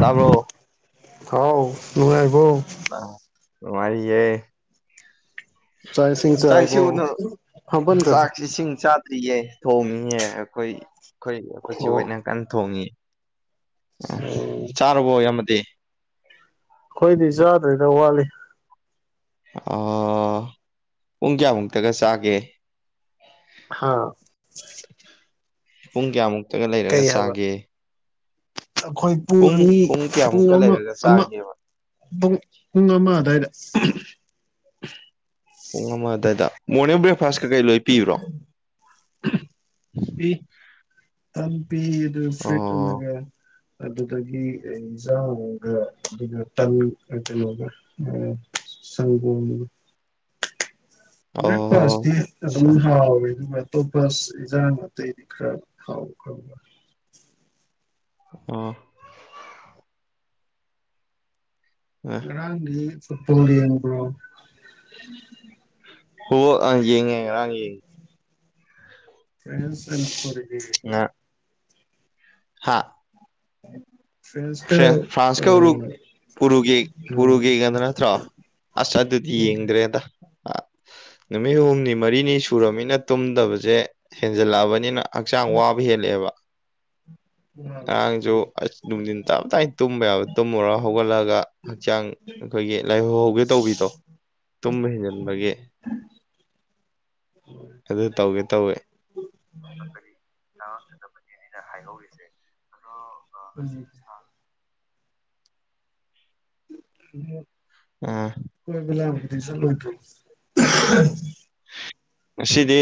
ꯇꯥꯕ꯭ꯔꯣ ꯍꯥꯎ ꯅꯨꯡꯉꯥꯏꯔꯤꯕꯣ ꯑꯧ ꯅꯨꯉꯥꯏꯔꯤꯌꯦ ꯆꯥꯛ ꯏꯁꯤꯡ ꯆꯥꯛ ꯆꯥꯔꯕꯣ ꯏꯁꯤꯡ ꯎꯅꯔ ꯍꯥꯝꯕꯟꯒꯅꯨ ꯆꯥꯛ ꯏꯁꯤꯡ ꯆꯥꯛ ꯇꯤꯌꯦ ꯊꯣꯡꯉꯤꯌꯦ ꯑꯩꯈꯣꯏ ꯑꯩꯈꯣꯏ ꯈꯣꯏꯆꯦ ꯑꯣ ꯍꯣꯏꯅ ꯀꯟ ꯊꯣꯡꯉꯤ ꯑꯩꯈꯣꯏꯗꯤ ꯆꯥꯔꯕꯣ ꯏꯌꯥꯝꯕꯗꯤ ꯈꯣꯏꯗꯤ ꯆꯥꯗ꯭ꯔꯤꯗ ꯋꯥꯠꯂꯤ ꯑꯥ ꯄꯨꯡ ꯀꯌꯥꯃꯨꯛꯇꯒ ꯆꯥꯒꯦ ꯍꯥꯥ ꯄꯨꯡ ꯀꯌꯥꯃꯨꯛꯇꯒ ꯂꯩꯔꯒ ꯆꯥꯒꯦ ꯑꯈꯣꯏ ꯄꯨꯡ ꯑꯅꯤ ꯄꯨꯡ ꯀꯌꯥꯃꯨꯛꯀ ꯑꯃ ꯂꯩꯔꯒ ꯑꯃ ꯆꯥꯒꯦꯕ ꯄꯨꯡ ꯄꯨꯡ ꯑꯃ ꯑꯗꯥꯏꯗ ꯄꯨꯡ ꯑꯃ ꯑꯗꯥꯏꯗ ꯃꯣꯔꯅꯤꯡ ꯕ꯭ꯔꯦꯛꯐꯥꯁ ꯀꯀꯩ ꯂꯣꯏ ꯄꯤꯕ꯭ꯔꯣ ꯄꯤ ꯇꯝ ꯄꯤ ꯗꯨ ꯕꯔ꯭ꯦꯗ ꯑꯣ ꯑꯃꯒ ꯑꯗꯨꯗꯒꯤ ꯑꯦꯟꯖꯥꯡꯒ ꯑꯗꯨꯅ ꯇꯟ ꯀꯦꯅꯣꯒ ꯑꯥ ꯁꯒꯣꯝꯒ ꯕ꯭ꯔꯦꯛꯐꯥꯁꯇꯤ ꯑꯣ ꯑꯗꯨꯝ ꯍꯥꯎꯋꯤ ꯑꯗꯨꯃ ꯑꯇꯣꯞꯄꯁ ꯏꯟꯖꯥꯡ ꯑꯇꯩꯗꯤ ꯈ꯭ꯔ ꯍꯥꯎ ꯈꯥꯎꯈ꯭ꯔꯕ [unintelligible] ꯑꯣ ꯉꯔꯥꯡꯗꯤ ꯐꯠꯕꯣꯜ ꯌꯦꯡꯕ꯭ꯔꯣ ꯐꯠꯕꯣꯜ ꯑꯪ ꯌꯦꯡꯉꯦ ꯉꯔꯥꯡ ꯌꯦꯡꯉꯦ ꯐ꯭ꯔꯦꯟꯁ ꯑꯦꯟ ꯄꯥꯔꯨꯒ꯭ꯋꯦ ꯉꯥ ꯍꯥ ꯐ꯭ꯔꯦꯟ ꯐ꯭ꯔꯦꯟꯁꯀ ꯐ꯭ꯔꯥꯟꯁꯀ ꯎꯔꯨ ꯎꯔꯨꯒꯦ ꯎꯔꯨꯒꯦꯒꯗꯣ ꯅꯠꯇ꯭ꯔꯣ ꯑꯁ ꯑꯗꯨꯗꯤ ꯌꯦꯡꯗ꯭ꯔꯦꯗ ꯅꯨꯃꯤꯠ ꯍꯨꯝꯅꯤ ꯃꯔꯤꯅꯤ ꯁꯨꯔꯕꯅꯤꯅ ꯇꯨꯝꯗꯕꯁꯦ ꯍꯦꯟꯖꯜꯂꯛꯑꯕꯅꯤꯅ ꯍꯛꯆꯥꯡ ꯋꯥꯕ ꯍꯦꯜꯂꯛꯑꯦꯕ ꯉꯔꯥꯡꯁꯨ ꯑꯁ ꯅꯨꯡꯗꯤꯟ ꯇꯞꯇꯥꯏ ꯇꯨꯝꯕ ꯌꯥꯕ ꯇꯨꯝꯃꯨꯔꯒ ꯍꯧꯒꯠꯂꯒ ꯍꯛꯆꯥꯡ ꯑꯩꯈꯣꯏꯒꯤ ꯂꯥꯏꯍꯧ ꯍꯧꯒꯦ ꯇꯧꯕꯤꯗꯣ ꯇꯨꯝꯕ ꯍꯦꯟꯖꯤꯟꯕꯒꯤ ꯑꯗꯨ ꯇꯧꯒꯦ ꯇꯧꯋꯦ [unintelligible] ꯑꯩꯅ ꯍꯥꯏꯍꯧꯔꯤꯁꯦ ꯑꯗꯣ ꯉꯁꯤ ꯎꯝ [unintelligible] ꯑꯣ ꯀꯣꯏꯕ ꯂꯥꯡꯕꯗꯤ ꯆꯠꯂꯣꯏꯗ꯭ꯔꯣ [unintelligible] ꯉꯁꯤꯗꯤ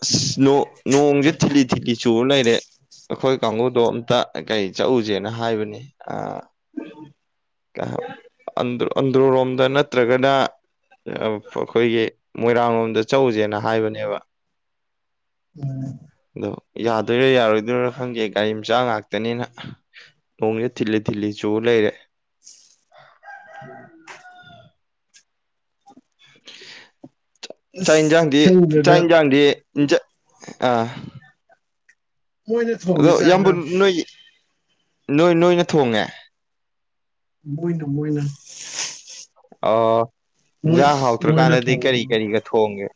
ꯑꯁ ꯅꯣꯡ ꯅꯣꯡꯁꯦ ꯊꯤꯠꯂꯤ ꯊꯤꯠꯂꯤ ꯆꯨꯔ ꯂꯩꯔꯦ ꯑꯩꯈꯣꯏ ꯀꯥꯡꯒꯨꯗꯣ ꯑꯝꯇ ꯀꯩ ꯀꯩ ꯆꯠꯑꯨꯖꯦꯅ ꯍꯥꯏꯕꯅꯤ ꯑ [unintelligible] ꯀꯥꯍꯞ ꯑꯟꯗ꯭ꯔꯣ ꯑꯟꯗ꯭ꯔꯣꯔꯣꯝꯗ ꯅꯠꯇ꯭ꯔꯒꯅ [unintelligible] ꯑꯩꯈꯣꯏꯒꯤ ꯃꯣꯏꯔꯥꯡ ꯂꯣꯝꯗ ꯆꯠꯑꯨꯖꯦꯅ ꯍꯥꯏꯕꯅꯦꯕ ꯎꯝ ꯑꯗꯣ ꯌꯥꯗꯣꯏꯔ ꯌꯥꯔꯣꯏꯗꯣꯏꯔꯣ ꯈꯪꯗꯦ ꯒꯥꯔꯤ ꯃꯆꯥ ꯉꯥꯛꯇꯅꯤꯅ ꯅꯣꯡꯖꯦ ꯊꯤꯠꯂꯤ ꯊꯤꯠꯂꯤ ꯆꯨ ꯂꯩꯔꯦ [unintelligible] ꯆ ꯆꯥꯛ ꯑꯁ ꯏꯟꯖꯥꯡꯗꯤ ꯆꯥꯛ ꯈꯪꯗ꯭ꯔꯦꯗ ꯏꯟꯖꯥꯡꯗꯤ ꯏꯟꯖ ꯑꯥ ꯃꯣꯏꯅ ꯊꯣꯡꯉꯦ ꯑꯗꯣ ꯆꯥꯛ ꯏꯌꯥꯝꯕ ꯏꯟꯖꯥꯡ ꯅꯣꯏꯏ ꯅꯣꯏ ꯅꯣꯏꯅ ꯊꯣꯡꯉꯦ ꯃꯣꯏꯅ ꯃꯣꯏꯅ ꯑꯣ ꯃꯣꯏ ꯏꯟꯖꯥꯡ ꯃꯣꯏꯅ ꯍꯥꯎꯇ꯭ꯔꯀꯥꯟꯗꯗꯤ ꯊꯣꯡ ꯀꯔꯤ ꯀꯔꯤꯒ ꯊꯣꯡꯒꯦ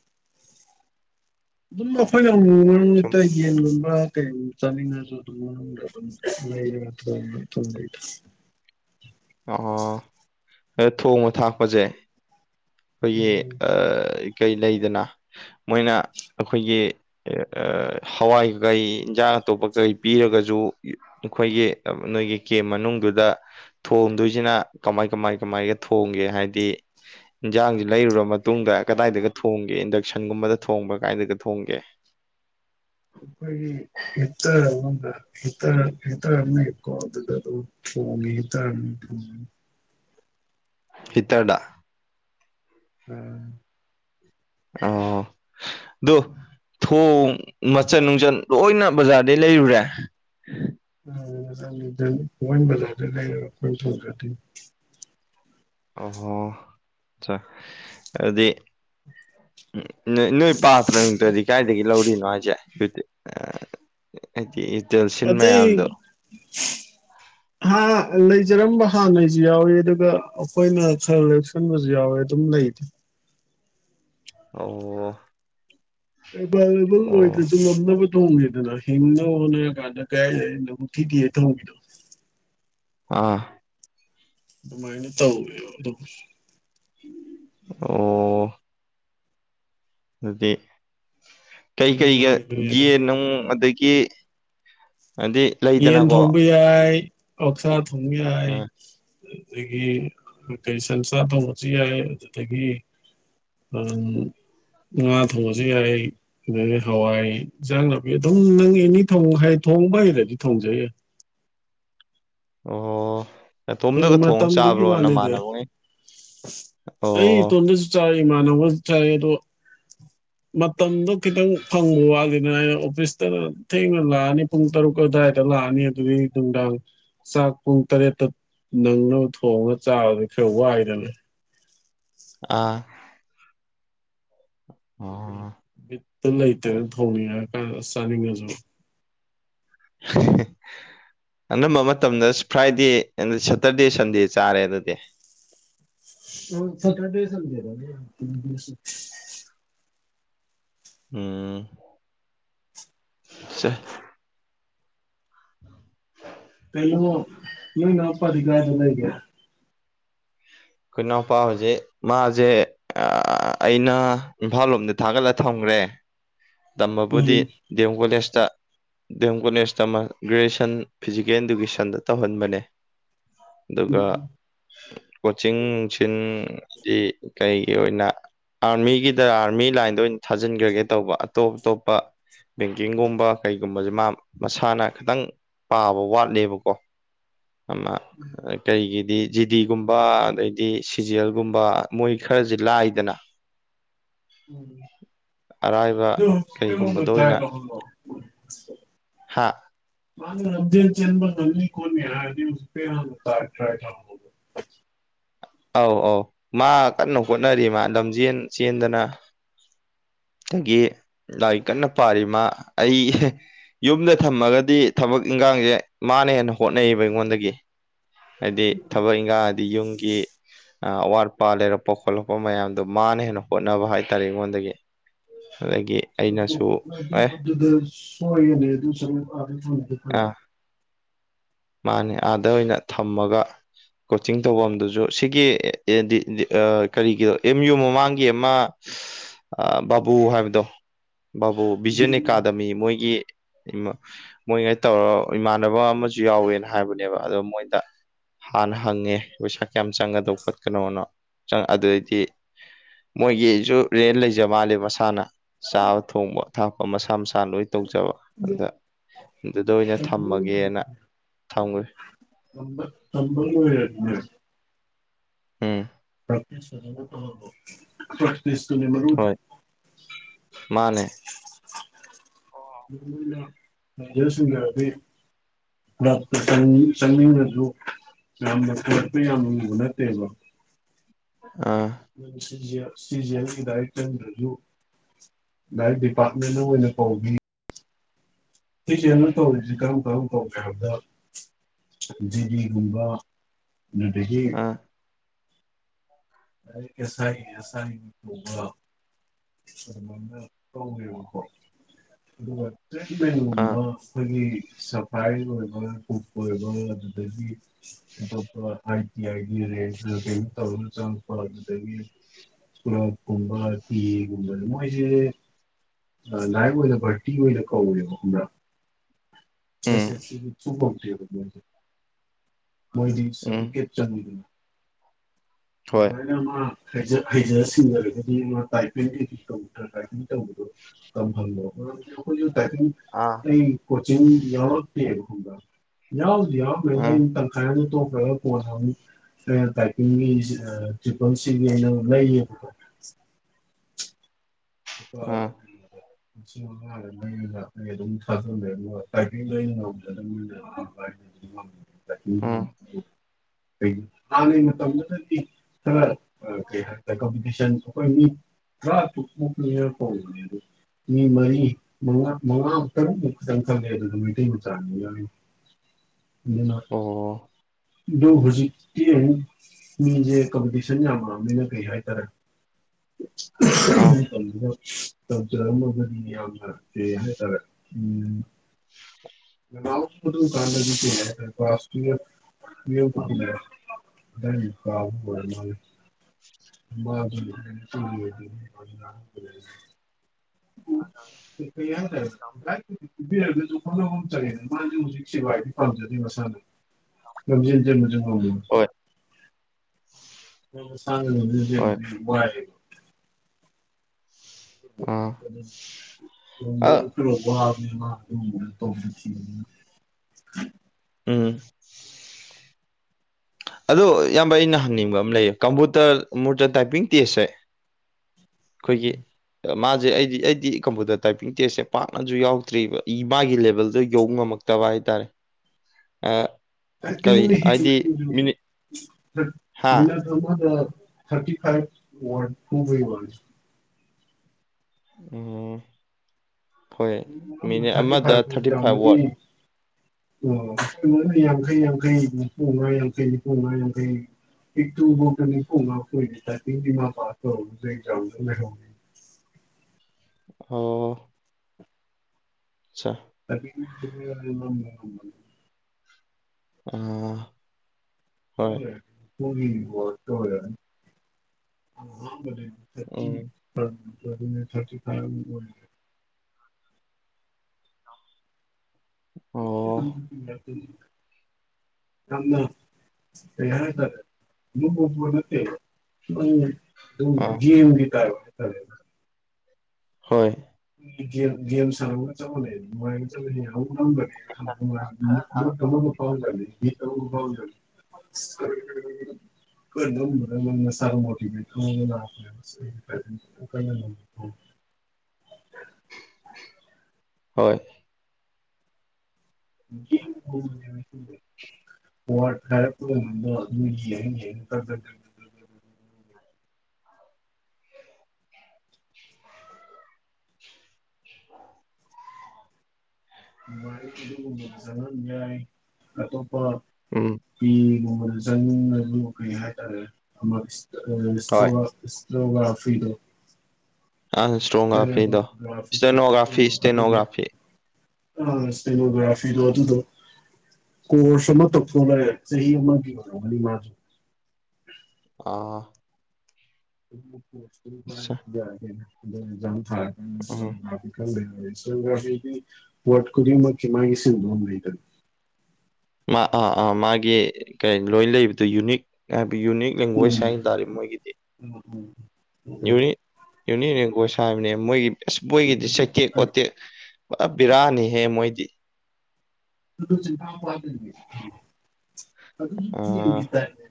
ꯑꯗꯨꯝ ꯂꯐꯣꯏꯅ ꯑꯃꯨꯛ ꯃꯨꯛ ꯃꯔꯛ ꯁꯨꯝ ꯃꯔꯛꯇꯩ ꯌꯦꯟꯒꯨꯝꯕ ꯀꯩꯒꯨꯝꯕ ꯆꯥꯅꯤꯡꯉꯁꯨ ꯑꯗꯨꯝ ꯃꯅꯨꯡꯗ ꯑꯗꯨꯝ ꯂꯩ ꯂꯩꯔ ꯊꯣꯡꯉꯦ ꯊꯣꯡꯅꯩꯗ ꯑꯣ ꯑꯗꯣ ꯊꯣꯡꯕ ꯊꯥꯛꯄꯁꯦ ꯑꯩꯈꯣꯏꯒꯤ ꯎꯝ ꯑ ꯀꯩ ꯂꯩꯗꯅ ꯃꯣꯏꯅ ꯑꯩꯈꯣꯏꯒꯤ [unintelligible] ꯍꯋꯥꯏ ꯀꯀꯩ ꯏꯟꯖꯥꯡ ꯑꯇꯣꯞꯄ ꯀꯩ ꯄꯤꯔꯒꯁꯨ ꯑꯩꯈꯣꯏꯒꯤ ꯑ ꯅꯣꯏꯒꯤ ꯀꯦꯝ ꯃꯅꯨꯡꯗꯨꯗ ꯊꯣꯡꯗꯣꯏꯖꯤꯅ ꯀꯃꯥꯏ ꯀꯃꯥꯏ ꯀꯃꯥꯏꯒ ꯊꯣꯡꯒꯦ ꯍꯥꯏꯗꯤ ꯏꯟꯖꯥꯡꯖꯤ ꯂꯩꯌꯨꯔ ꯃꯇꯨꯡꯗ ꯀꯗꯥꯏꯗꯒ ꯊꯣꯡꯒꯦ ꯏꯟꯗꯛꯁꯟꯒꯨꯝꯕꯗ ꯊꯣꯡꯕ꯭ꯔꯥ ꯀꯥꯏꯗꯒ ꯊꯣꯡꯒꯦ ꯑꯩꯈꯣꯏꯒꯤ ꯍꯤꯠꯇꯔ ꯑꯃꯗ ꯍꯤꯠꯇꯔ ꯍꯤꯠꯇꯔ ꯑꯃ ꯂꯩꯀꯣ ꯑꯗꯨꯗ ꯑꯗꯨꯝ ꯊꯣꯡꯉꯦ ꯍꯤꯠꯇꯔ ꯑꯗꯨꯝ ꯊꯝꯃꯒ ꯍꯤꯠꯇꯔꯗ ꯑꯥ ꯑꯣ ꯑꯗꯣ ꯊꯣꯡ ꯃꯆꯟ ꯅꯨꯡꯆꯟ ꯂꯣꯏꯅ ꯕꯖꯥꯔꯗꯩ ꯂꯩꯌꯨꯔꯦ ꯑꯥ ꯃꯆꯟꯒꯤꯗꯤ ꯃꯣꯏꯅ ꯕꯖꯥꯔꯗꯩ ꯂꯩꯌꯨꯔꯒ ꯑꯩꯈꯣꯏꯅ ꯊꯣꯡꯖꯗꯣꯏꯅꯦ ꯑꯣꯍꯣ ꯆꯥꯛ ꯑꯗꯨꯗꯤ ꯅꯣꯏ ꯅꯣꯏ ꯄꯥꯠꯇ꯭ꯔ ꯅꯨꯡꯇ꯭ꯔꯗꯤ ꯀꯥꯏꯗꯒꯤ ꯂꯧꯔꯤꯅꯣ ꯍꯥꯏꯁꯦ꯫ ꯍꯥꯏꯗꯤ ꯏꯇꯦꯜ ꯁꯤꯟ ꯃꯌꯥꯝꯗꯣ ꯑꯇꯩ [unintelligible] ꯍꯥ ꯂꯩꯖꯔꯝꯕ ꯍꯥꯟꯅꯩꯁꯨ ꯌꯥꯎꯏ ꯑꯗꯨꯒ ꯑꯩꯈꯣꯏꯅ ꯈꯔꯥ ꯂꯩꯕ ꯈꯟꯕꯁꯨ ꯌꯥꯎꯋꯦ ꯑꯗꯨꯝ ꯂꯩꯗ ꯑꯣ ꯏꯃꯥꯅꯕ ꯑꯣ ꯑꯣꯏꯗ꯭ꯔꯁꯨ ꯉꯝꯅꯕ ꯇꯣꯡꯉꯦꯗꯅ ꯍꯤꯡꯅꯕ ꯍꯣꯠꯅꯔ ꯀꯥꯟꯗ ꯀꯥꯏꯗꯩꯅꯣ ꯊꯤꯔꯥꯒ ꯇꯧꯕꯤꯗꯣ ꯑꯥ ꯑꯗꯨꯃꯥꯏꯅ ꯇꯧꯋꯦꯕ ꯑꯗꯨꯕꯨ ꯑꯣ ꯑꯗꯨꯗꯤ ꯀꯩꯀꯩꯒ ꯅꯨꯡꯉꯥꯏꯕꯅꯦ ꯑꯗꯣ ꯌꯦꯟ ꯅꯨꯡ ꯑꯗꯒꯤ ꯑꯗꯤ ꯌꯦꯟ ꯂꯩꯗꯅꯀꯣ ꯊꯣꯡꯕ ꯌꯥꯏ ꯑꯣꯛꯁꯥ ꯊꯣꯡꯕ ꯌꯥꯏ ꯑꯥ ꯑꯗꯨꯗꯒꯤ ꯀꯩ ꯁꯟꯁꯥ ꯊꯣꯡꯕꯁꯨ ꯌꯥꯏ ꯑꯗꯨꯗꯒꯤ ꯎꯝ ꯉꯥ ꯊꯣꯡꯉꯁꯨ ꯌꯥꯏ ꯑꯗꯒꯤ ꯍꯋꯥꯏ ꯏꯟꯖꯥꯡ ꯅꯥꯄꯤ ꯑꯗꯨꯝ ꯅꯪ ꯑꯦꯅꯤ ꯊꯣꯡꯕ ꯍꯩꯔꯗꯤ ꯊꯣꯡꯖ ꯌꯥꯏ ꯑꯣ ꯑꯗꯨ ꯅꯇꯣꯝꯗꯒ ꯊꯣꯡ ꯃꯇꯝꯗꯨꯒꯤ ꯆꯥꯕ꯭ꯔꯣ ꯋꯥꯅꯤꯗ ꯅꯃꯥꯟꯅꯕꯉꯩ ꯑꯩ ꯑꯣ ꯏꯇꯣꯝꯗꯁꯨ ꯆꯥꯏ ꯏꯃꯥꯟꯅꯕꯒꯥꯖꯨ ꯆꯥꯏ [unintelligible] ꯃꯇꯝꯗꯣ ꯈꯤꯇꯪ ꯐꯪꯕ ꯋꯥꯠꯂꯤꯗꯅ ꯑꯩꯅ ꯑꯣꯐꯤꯁꯇ ꯊꯦꯡꯅ ꯂꯥꯛꯑꯅꯤ ꯄꯨꯡ ꯇꯔꯨꯛ ꯑꯗꯨꯋꯥꯏꯗ ꯂꯥꯛꯑꯅꯤ ꯑꯗꯨꯗꯩꯩ ꯅꯨꯡꯗꯥꯡ ꯆꯥꯛ ꯄꯨꯡ ꯇꯔꯦꯠꯇ ꯅꯪꯅꯕ ꯊꯣꯡꯉꯒ ꯆꯥꯕꯗꯤ ꯈꯔ ꯋꯥꯏꯗꯅ ꯑꯥ ꯑꯗꯨ ꯑꯣ ꯕꯤꯠꯇꯣ ꯂꯩꯇꯦꯅ ꯊꯣꯡꯅꯤꯡꯉ ꯀꯥꯟꯗ ꯆꯥꯅꯤꯡꯉꯁꯨ [unintelligible] ꯑꯅꯝꯕ ꯃꯇꯝꯗ ꯐ꯭ꯔꯥꯏꯗꯦ ꯁꯇꯔꯗꯦ ꯁꯟꯗꯦ ꯆꯥꯔꯦ ꯑꯗꯨꯗꯤ ꯑꯣ ꯁꯇꯔꯗꯦ ꯁꯟꯗꯦ ꯎꯝ ꯁꯦ ꯀꯩꯅꯣ ꯅꯅꯥꯎꯄꯥꯗꯤ ꯀꯥꯏꯗ ꯂꯩꯒꯦ ꯑꯩꯈꯣꯏ ꯏꯅꯥꯎꯄꯥ ꯍꯧꯖꯤꯛ ꯃꯥꯁꯦ ꯑꯩꯅ ꯏꯝꯐꯥꯜ ꯂꯣꯝꯗ ꯊꯥꯒꯠꯂ ꯊꯝꯈ꯭ꯔꯦ ꯇꯝꯕꯕꯨꯗꯤ ꯎꯝ ꯗꯤ ꯑꯦꯝ ꯀꯣꯂꯦꯖꯇ ꯗꯤ ꯑꯦꯝ ꯀꯣꯂꯦꯖꯇ ꯃꯥ ꯒ꯭ꯔꯦꯖꯨꯑꯦꯁꯟ ꯐꯤꯖꯤꯀꯦꯜ ꯏꯗꯨꯀꯦꯁꯟꯗ ꯇꯧꯍꯟꯕꯅꯦ ꯑꯗꯨꯒ ꯎꯝ ꯀꯣꯆꯤꯡ ꯅꯨꯡꯁꯤꯟꯗꯤ ꯀꯩꯒꯤ ꯑꯣꯏꯅ ꯑꯥꯔꯃꯤꯒꯤꯗ ꯑꯥꯔꯃꯤ ꯂꯥꯏꯟꯗ ꯑꯣꯏꯅ ꯊꯥꯖꯤꯟꯈ꯭ꯔꯒꯦ ꯇꯧꯕ ꯑꯇꯣꯞ ꯑꯇꯣꯞꯄ ꯕꯦꯡꯀꯤꯡꯒꯨꯝꯕ ꯀꯩꯒꯨꯝꯕꯁꯦ ꯃꯥ ꯃꯁꯥꯅ ꯈꯤꯇꯪ ꯄꯥꯝꯕ ꯋꯥꯠꯂꯦꯕꯀꯣ ꯀꯩꯒꯤꯗꯤ ꯖꯤꯗꯤꯒꯨꯝꯕ ꯑꯗꯩꯗꯤ ꯁꯤꯖꯦꯜꯒꯨꯝꯕ ꯃꯣꯏ ꯈꯔꯁꯦ ꯂꯥꯏꯗꯅ ꯎꯝ ꯑꯔꯥꯏꯕ ꯀꯩꯒꯨꯝꯕꯗ ꯇꯔ꯭ꯥꯏ ꯑꯣꯏꯅ ꯇꯧꯍꯜꯂꯣ ꯍꯥ ꯃꯥꯥꯅ ꯂꯝꯖꯦꯜ ꯆꯦꯟꯕ ꯉꯝꯅꯤ ꯈꯣꯠꯅꯤ ꯍꯥꯏꯔꯗꯤ ꯇꯧꯍꯜꯂꯣ ꯑꯧ ꯑꯧ ꯃꯥ ꯀꯟꯅ ꯍꯣꯠꯅꯔꯤ ꯃꯥ ꯂꯝꯖꯦꯟ ꯆꯦꯟꯗꯅ ꯗꯒꯤ ꯂꯥꯏꯔꯤꯛ ꯀꯟꯅ ꯄꯥꯔꯤ ꯃꯥ ꯑꯩ ꯌꯨꯝꯗ ꯊꯝꯃꯒꯗꯤ ꯊꯕꯛ ꯏꯟꯈꯥꯡꯁꯦ ꯃꯥꯅ ꯍꯦꯟꯅ ꯍꯣꯠꯅꯩꯌꯦꯕ ꯑꯩꯉꯣꯟꯗꯒꯤ ꯍꯥꯏꯗꯤ ꯊꯕꯛ ꯏꯪꯈꯥꯡ ꯍꯥꯏꯗꯤ ꯌꯨꯝꯒꯤ ꯑꯋꯥꯠ ꯑꯄꯥꯥ ꯂꯩꯔꯛꯄ ꯈꯣꯠꯂꯛꯄ ꯃꯌꯥꯝꯗꯣ ꯃꯥꯅ ꯍꯦꯟꯅ ꯍꯣꯠꯅꯕ ꯍꯥꯏꯇꯥꯔꯦ ꯑꯩꯉꯣꯟꯗꯒꯤ ꯑꯗꯒꯤ ꯑꯗꯨ ꯑꯩꯅꯁꯨ ꯑꯗꯨ ꯑꯦ ꯑꯗꯨꯗ ꯁꯣꯏꯅꯦ ꯑꯗꯨ ꯁꯔ ꯐ ꯑꯥ ꯃꯥꯅꯦ ꯑꯥꯗ ꯑꯣꯏꯅ ꯊꯝꯃꯒ ꯀꯣꯆꯤꯡ ꯇꯧꯚꯝꯗꯨꯖꯨ ꯁꯤꯒꯤ ꯀꯔꯤꯒꯤꯗꯣ ꯑꯦꯝ ꯌꯨ ꯃꯃꯥꯡꯒꯤ ꯑꯃ ꯑ ꯕꯥꯕꯨ ꯍꯥꯏꯕꯗꯣ ꯕꯥꯕꯨ ꯚꯤꯖꯟ ꯑꯦꯀꯥꯗꯃꯤ ꯃꯣꯏꯒꯤ ꯃꯣꯏꯒꯩ ꯇꯧꯔ ꯏꯃꯥꯟꯅꯕ ꯑꯃꯖ ꯨ ꯖꯨ ꯌꯥꯎꯋꯦꯅ ꯍꯥꯏꯕꯅꯦꯕ ꯑꯗꯣ ꯃꯣꯏꯗ ꯍꯥꯟꯅ ꯍꯪꯉꯦ ꯄꯩꯁꯥ ꯀꯌꯥꯝ ꯆꯪꯒꯗꯧꯕ ꯈꯣꯠꯀꯅꯣꯅ ꯆꯪ ꯑꯗꯨꯗꯩꯗꯤ ꯃꯣꯏꯒꯤꯖꯨ ꯔꯦꯟ ꯂꯩꯖ ꯃꯥꯜꯂꯦ ꯃꯁꯥꯅ ꯆꯥꯕ ꯊꯣꯡꯕ ꯊꯥꯛꯄ ꯃꯁꯥ ꯃꯁꯥꯅ ꯂꯣꯏ ꯇꯧꯖꯕ ꯑꯗ ꯑꯗꯨꯗ ꯑꯣꯏꯅ ꯊꯝꯃꯒꯦꯅ ꯊꯝꯈ꯭ꯔꯦ ꯇꯝꯕ ꯇꯝꯕ ꯂ‌ꯣꯏꯔꯗꯤꯅ‌ꯦ ꯎꯝ ꯄ꯭ꯔꯥꯛꯇꯤꯁ ꯐꯖꯟꯅ ꯇꯧꯍꯜꯂꯣ ꯄ꯭ꯔꯥꯛꯇꯤꯁ ꯇꯨꯅ‌ꯦ ꯃꯔꯨꯗꯤ ꯍꯣꯏ ꯃꯥꯅꯦ [inaudible] [unintelligible] ꯂꯛꯇ ꯆꯪꯅꯤꯡ ꯆꯪꯅꯤꯡꯗ꯭ꯔꯁꯨ ꯌꯥꯝꯅ [unintelligible] ꯌꯥꯝꯅ ꯂꯨꯕ ꯅꯠꯇꯦꯕ ꯑ ꯅꯪ ꯁꯤ ꯖꯤ ꯁꯤ ꯖꯤ ꯑꯦꯜꯒꯤ ꯗꯥꯏꯔꯦꯛ ꯆꯪꯗꯔꯖꯨ ꯗꯥꯢꯔꯦꯛ ꯗꯤꯄꯥꯔꯠꯃꯦꯟꯅ ꯑꯣꯏꯅ ꯀꯧꯕꯤ ꯁꯤ ꯖꯤ ꯑꯦꯜꯅ ꯀꯧꯔꯤꯖ‌ꯦ ꯀꯔꯝ ꯀꯔꯝ ꯀꯧꯒ‌ꯦ ꯍꯥꯏꯕꯗ ꯖꯤ ꯗꯤ ꯒꯨꯝꯕ ꯑꯗꯨꯗꯒꯤ ꯑꯥ ꯑꯗꯩ ꯑꯦ ꯁꯥꯏ ꯑꯦ ꯑꯦꯁ ꯑꯥꯏꯒꯤ ꯀꯧꯕ ꯑꯗꯨꯃꯥꯏꯅ ꯀꯧꯋꯦꯕꯀꯣ ꯑꯗꯨꯒ ꯑꯥ ꯇꯔꯦꯠꯃꯦꯟꯒꯨꯝꯕ ꯑꯈꯣꯏꯒꯤ ꯁꯐꯥꯏ ꯑꯣꯏꯕ ꯀꯨꯛ ꯑꯣꯏꯕ ꯑꯗꯨꯗꯒꯤ ꯑꯇꯣꯞꯄ ꯑꯥꯏ ꯇꯤ ꯑꯥꯏꯒꯤ ꯔꯦꯖꯕ‌ꯦꯡ ꯇꯧꯕ ꯆꯪꯉꯛ ꯄ ꯑꯗꯨꯗꯒꯤ ꯀꯂ꯭ꯔꯛ ꯀꯨꯝꯕ ꯄꯤ ꯑꯦ ꯒꯨꯝꯕ ꯃꯣꯏꯖꯤꯗꯤ ꯂꯥꯏꯔꯤꯛ ꯑꯣꯏꯅ ꯚꯔꯇꯤ ꯑꯣꯏꯅ ꯀꯧꯋꯦꯕ ꯈꯪꯕ꯭ꯔꯥ ꯑꯦꯁ ꯎꯝ ꯑꯦꯁꯒꯤ ꯊ꯭ꯔꯨ ꯀꯧꯗꯦꯕ ꯃꯣꯢꯖꯦ ꯃꯣꯏꯗꯤ ꯎꯝ ꯁꯔꯇꯤꯐꯤꯀꯦꯠ ꯆꯪꯉꯤꯗꯅ ꯍꯣꯏ [unintelligible] ꯑꯅ ꯃꯥ ꯍꯩꯖ ꯍꯩꯖ ꯁꯤꯡꯖꯔꯒꯗꯤ ꯃꯥ ꯇꯥꯏꯄꯤꯡꯒꯤꯗꯤ ꯇꯧꯗ꯭ꯔꯥ ꯇꯥꯏꯄꯤꯡ ꯇꯧꯕꯗꯣ ꯇꯝꯍꯜꯂ‌ꯣ ꯑꯗ‌ꯣ ꯑꯈ‌ꯣꯏꯒꯤ ꯇꯥꯏꯞꯄꯤꯡ ꯑꯥ ꯀꯣꯆꯤꯡ ꯌꯥꯎꯔꯛꯇ‌ꯦꯕ ꯈꯪꯕꯔꯥ ꯌꯥꯎꯕꯨꯗꯤ ꯌꯥꯎꯔꯃꯦ ꯑꯥ ꯑꯩꯅ ꯇꯟ ꯈꯔ ꯇꯣꯛꯈ꯭ꯔꯥꯒ ꯀꯣꯟꯅ ꯑꯃꯨꯛ ꯑꯩꯅ ꯇꯥꯢꯄꯤꯡꯒꯤꯁꯦ ꯑ ꯇ꯭ꯔꯤꯄꯜꯁꯤꯒꯤ ꯑꯩꯅ ꯂꯩꯌꯦꯕꯀꯣ ꯂꯨꯄꯥ ꯑꯥ ꯀꯩꯅꯣꯗ ꯂꯤꯁꯤꯡ ꯃꯉꯥꯗ ꯂꯩꯔ‌ꯦꯒ ꯑꯩ ꯑꯗꯨꯝ ꯊꯥꯖꯜꯂꯦ ꯑꯗꯨꯒ ꯇꯥꯏꯄꯤꯡꯗ‌ꯣ ꯑꯩꯅ ꯎꯝ [unintelligible] [unintelligible] ꯍꯥꯟꯅꯩ ꯃꯇꯝꯗꯨꯅꯗꯤ ꯈꯔ ꯀꯩ ꯍꯥꯏꯇꯥꯔꯦ ꯀꯝꯄꯤꯇꯤꯁꯟ ꯑꯩꯈꯣꯏ ꯃꯤ ꯇ꯭ꯔꯥꯇ꯭ꯔꯨꯛ [unintelligible] ꯀꯧꯕꯅꯦ ꯑꯗꯣ ꯃꯤ ꯃꯔꯤ ꯃꯉꯥ ꯃꯉꯥ ꯇꯃꯨꯛ ꯈꯤꯇꯪ ꯈꯜꯂꯦ ꯑꯗꯨꯗ ꯃꯩꯇꯩ ꯃꯆꯥ ꯅꯤꯅ ꯗꯨꯅ ꯑꯣ ꯑꯗ‌ꯣ ꯍꯧꯖꯤꯛꯇꯤ ꯑꯃꯨꯛ ꯃꯤꯖ‌ꯦ ꯀꯝꯄꯤꯇꯤꯁꯟ ꯌꯥꯝꯃꯛꯑꯕꯅꯤꯅ ꯀꯩ ꯍꯥꯏꯇꯥꯔꯦ [unintelligible] ꯑꯥ ꯇꯧꯖꯔꯛꯑꯃꯒꯗꯤ ꯌꯥꯝꯅ ꯀꯩ ꯍꯥꯏꯇꯥꯔꯦ ꯎꯝ ꯅꯅꯥꯎ ꯑꯗꯨꯝ ꯀꯥꯟꯗꯗꯤ ꯀꯩ ꯍꯥꯢꯇꯥꯔꯦ ꯀꯂꯥꯁ ꯇꯨꯌ‌ꯦꯜꯄ ꯇꯨꯋꯧꯜꯀꯨꯝꯕ ꯑꯗꯥꯢꯗꯤ ꯀꯥꯕ ꯑꯣꯢꯔ ꯃꯥꯜꯂꯦ [unintelligible] ꯍ ꯈ ꯌꯥ ꯇ [unintelligible] ꯃꯥꯖꯨ ꯍꯧꯖꯤꯛ ꯄꯥꯝꯖꯔꯦ ꯃꯁꯥꯅ ꯂꯝꯖꯦꯟ ꯆꯦꯟꯕꯖꯦ ꯍꯣꯏ ꯎꯝ ꯁꯥꯡꯅ ꯂꯝꯖꯦꯟ ꯍꯣꯏ ꯆꯦꯟꯕꯖꯦ ꯋꯥꯢꯌꯦ ꯑꯥ ꯑ [unintelligible] ꯎꯝ ꯑꯗꯣ ꯏꯌꯥꯝꯕ ꯑꯩꯅ ꯍꯪꯅꯤꯡꯕ ꯑꯃ ꯂꯩꯌꯦ ꯀꯝꯄꯨꯇꯔ ꯃꯨꯔꯇꯔ ꯇꯥꯏꯄꯤꯡ ꯇꯦꯁꯁꯦ ꯈꯣꯏꯒꯤ ꯃꯥꯖꯦ ꯑꯩꯗꯤ ꯑꯩꯗꯤ ꯀꯝꯄꯨꯇꯔ ꯇꯥꯏꯄꯤꯡ ꯇꯦꯁꯁꯦ ꯄꯥꯛꯅꯁꯨ ꯌꯥꯎꯗ꯭ꯔꯤꯕ ꯏ ꯃꯥꯒꯤ ꯂꯦꯕꯦꯜꯗꯣ ꯌꯧ ꯉꯝꯃꯣꯢ ꯀꯃꯍꯥꯢꯇꯥꯔꯦ ꯑ ꯀꯩꯅꯣꯅꯦ ꯍꯦ ꯍꯥ ꯃꯤꯅꯠ ꯑꯃꯗ ꯊꯥꯔꯇꯤ ꯐꯥꯏꯚ ꯋꯥꯔꯗ ꯍꯨꯕꯩ ꯋꯥꯅꯤ ꯎꯝ ꯍꯣꯏ ꯃꯤꯅꯤꯠ ꯊꯥꯔꯇꯤ ꯑꯃꯗ ꯊꯥꯔꯇꯤ ꯐꯥꯏꯚ ꯋꯥꯠ ꯑꯣ ꯌꯥꯡꯈꯩ ꯌꯥꯡꯈꯩ ꯅꯤꯐꯨꯃꯉꯥ ꯌꯥꯡꯈꯩ ꯅꯤꯐꯨꯃꯉꯥ ꯌꯥꯡꯈꯩ ꯄꯤꯛꯇ꯭ꯔꯨ ꯕꯥꯎꯗ ꯅꯤꯐꯨꯃꯉꯥ [unintelligible] ꯗꯤ ꯃꯥ ꯄꯥꯁ ꯇꯧꯔꯁꯨ ꯍꯟꯗꯛ ꯑꯦꯛꯖꯥꯝꯗ ꯂꯩꯍꯧꯔꯦ ꯑꯣ ꯆꯥ [unintelligible] ꯑ [unintelligible] ꯊꯥꯔꯇꯤ [unintelligible] ꯎꯝ ꯊꯥꯔꯇꯤ ꯐꯥꯢꯐ ꯑꯃꯨꯛ ꯑꯣꯏ ꯑꯣ [unintelligible] ꯌꯥꯝꯅ ꯀꯩ ꯍꯥꯏ ꯇꯥꯔꯦ [unintelligible] ꯅꯠꯇꯦ ꯅꯪ ꯑꯗꯨ ꯑꯥ ꯒꯦꯝꯒꯤ ꯇꯥꯢꯞ ꯍꯥꯢ ꯇꯥꯔꯦ ꯍꯣꯏ ꯒꯦꯝ ꯒꯦꯝ ꯁꯥꯟꯅꯕꯒ ꯆꯞ ꯃꯥꯅꯩ [unintelligible] [unintelligible] [unintelligible] ꯃꯣꯇꯤꯚꯦꯠꯀꯤ ꯃꯑꯣꯡꯗ [unintelligible] [unintelligible] ꯍꯣꯏ [unintelligible] ꯋꯥꯔꯗꯇ ꯍꯥꯢꯔꯛꯇꯣꯔꯤꯅꯤꯗ ꯑꯗꯨꯝ ꯌꯦꯡꯉ ꯌꯦꯡꯉ ꯗꯛ ꯗꯛ [inaudible] ꯑꯗꯨꯃꯥꯏꯅ ꯑꯗꯨꯒꯨꯝꯕꯗ ꯆꯪꯍꯟꯕ ꯌꯥꯏ ꯑꯇꯣꯞꯄ ꯎꯝ ꯌꯦꯡꯉꯨꯕꯗ ꯆꯪꯅꯤꯡꯕ ꯗꯨꯕꯨ ꯀꯩ ꯍꯥꯏꯇꯥꯔꯦ ꯑꯃ ꯏꯁꯇ ꯍꯣꯏ [unintelligible] ꯂꯣꯒꯐ꯭ꯔꯤꯗꯣ ꯑ ꯏꯁꯇ꯭ꯔꯣꯒ꯭ꯔꯥꯐꯤꯗꯣ ꯏꯁꯇꯦꯔꯤꯌꯣꯒ꯭ꯔꯥꯐꯤ ꯏꯁꯇꯦꯅꯣꯒ꯭ꯔꯥꯐꯤ ꯏꯁꯇꯦꯅꯣꯒ꯭ꯔꯥꯐꯤ ꯑ ꯁ꯭ꯇꯦꯅꯣꯒ꯭ꯔꯥꯐꯤꯗꯣ ꯑꯗꯨꯗꯣ ꯀꯣꯔꯁ ꯑꯃ ꯇꯧꯊꯣꯛ ꯂꯣꯢꯔꯦ ꯆꯍꯤ ꯑꯃꯒꯤ ꯑꯣꯏꯔꯝꯒꯅꯤ ꯃꯥꯁꯨ ꯑ [unintelligible] ꯑꯠꯆꯥ [unintelligible] ꯗꯤ ꯎꯝ ꯋꯥꯔꯗ ꯈꯨꯗꯤꯃꯛꯀꯤ ꯃꯥꯒꯤ ꯁꯤꯝꯕꯣꯜ ꯂꯩꯗꯅ ꯃꯥ ꯑꯥ ꯑꯥ ꯃꯥꯒꯤ ꯀꯩ ꯂꯣꯏ ꯂꯩꯕꯗꯣ ꯌꯨꯅꯤꯛ ꯍꯥꯏꯕ ꯌꯨꯅꯤꯛ ꯂꯦꯡꯒ꯭ꯋꯦꯖ ꯎꯝ ꯍꯥꯏ ꯇꯥꯔꯦ ꯃꯣꯏꯒꯤꯗꯤ ꯎꯝ ꯎꯝ ꯌꯨꯔꯤ ꯌꯨꯅꯤ [unintelligible] ꯍꯥꯏꯕꯅꯦ ꯃꯣꯏꯒꯤ ꯑꯁ ꯃꯣꯏꯒꯤꯗꯤ ꯆꯩꯀꯦꯛ ꯑꯗꯨ ꯀꯣꯠꯇꯦꯛ ꯕꯤꯔꯥꯅꯤꯍꯦ ꯃꯣꯏꯗꯤ ꯑꯗꯨ ꯆꯤꯟꯐꯥ ꯐꯥꯗꯣꯢꯅꯦ ꯑꯗꯨꯖꯨ ꯑ [unintelligible] ꯒꯤ ꯇꯥꯢꯞꯅꯦ